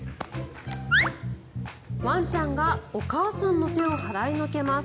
ワンちゃんがお母さんの手を払いのけます。